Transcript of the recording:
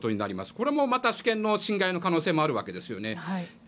これもまた主権の侵害の可能性もあるわけですよね。